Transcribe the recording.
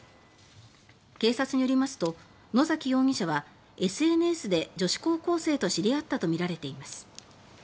警察によりますと野崎容疑者はＳＮＳで女子高校生と知り合ったとみられています。